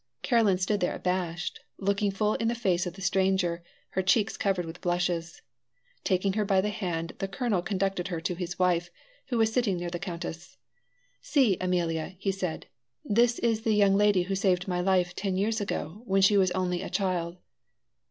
Caroline stood there abashed, looking full in the face of the stranger, her cheeks covered with blushes. Taking her by the hand, the colonel conducted her to his wife, who was sitting near the countess. "See, Amelia," said he; "this is the young lady who saved my life ten years ago, when she was only a child."